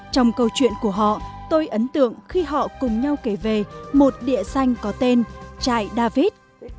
trong câu chuyện của họ tôi ấn tượng khi họ cùng nhau kể về một địa danh có tên trại david